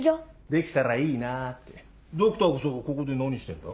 できたらいいなってドクターこそここで何してんだ？